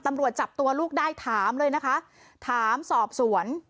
ตำรวจจับตัวลูกได้ถามเลยนะคะถามสอบสวน